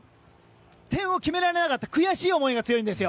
点を決められなかった悔しい思いが強いんですよ。